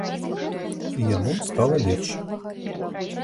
І яму стала лепш.